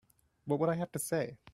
What would I have to say?